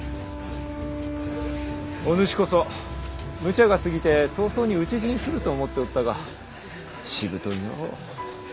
お主こそむちゃが過ぎて早々に討ち死にすると思っておったがしぶといのう。